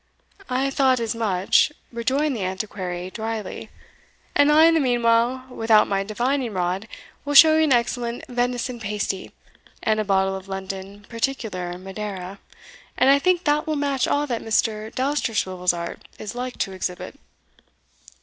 "I thought as much," rejoined the Antiquary, drily; "and I, in the meanwhile, without any divining rod, will show you an excellent venison pasty, and a bottle of London particular Madeira, and I think that will match all that Mr. Dousterswivel's art is like to exhibit."